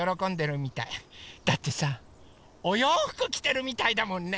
だってさおようふくきてるみたいだもんね。